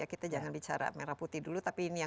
kita jangan bicara merah putih dulu